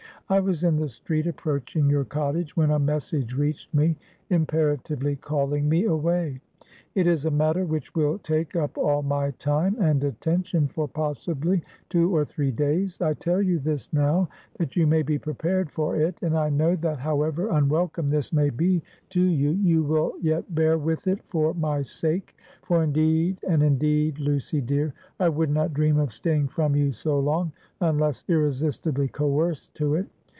I was in the street approaching your cottage, when a message reached me, imperatively calling me away. It is a matter which will take up all my time and attention for, possibly, two or three days. I tell you this, now, that you may be prepared for it. And I know that however unwelcome this may be to you, you will yet bear with it for my sake; for, indeed, and indeed, Lucy dear, I would not dream of staying from you so long, unless irresistibly coerced to it.